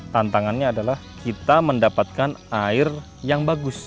tantangannya adalah kita mendapatkan air yang bagus